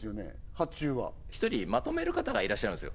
発注は一人まとめる方がいらっしゃるんですよ